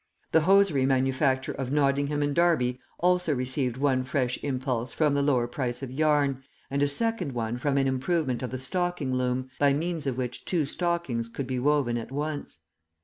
The hosiery manufacture of Nottingham and Derby also received one fresh impulse from the lower price of yarn, and a second one from an improvement of the stocking loom, by means of which two stockings could be woven at once.